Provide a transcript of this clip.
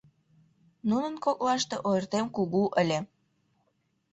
Нунын коклаште ойыртем кугу ыле.